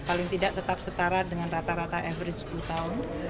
paling tidak tetap setara dengan rata rata average sepuluh tahun